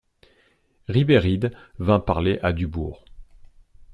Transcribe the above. Ribéride vint parler à Dubourg.